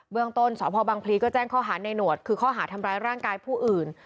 เรื่องต้นสพบังพลีก็แจ้งข้อหาในหนวดคือข้อหาทำร้ายร่างกายผู้อื่น